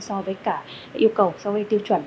so với cả yêu cầu so với tiêu chuẩn